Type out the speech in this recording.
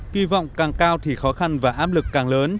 hy vọng càng cao thì khó khăn và áp lực càng lớn